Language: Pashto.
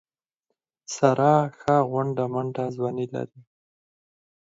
ساره ښه غونډه منډه ځواني لري.